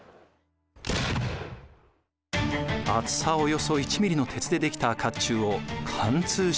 厚さおよそ１ミリの鉄で出来た甲冑を貫通しました。